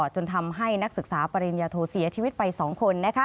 จนทำให้นักศึกษาปริญญาโทเสียชีวิตไป๒คน